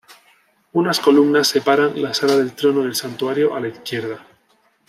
Unas columnas separan la sala del trono del santuario a la izquierda.